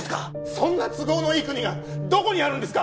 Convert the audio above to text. そんな都合のいい国がどこにあるんですか？